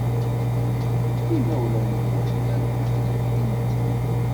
Imawlan-nwen llan ḥemmlen-tent.